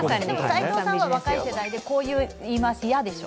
齋藤さんは若い世代でこういう言い回し嫌でしょ？